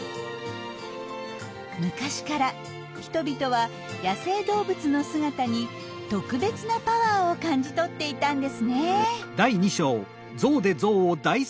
昔から人々は野生動物の姿に特別なパワーを感じ取っていたんですね。